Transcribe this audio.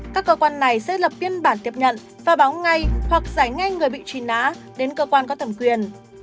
các cơ quan này sẽ lập biên bản tiếp nhận và báo ngay hoặc giải ngay người bị truy nã đến cơ quan có thẩm quyền